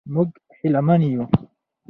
موږ هیله من یو.